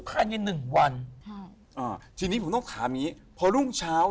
ในวันเดียว